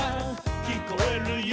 「きこえるよ」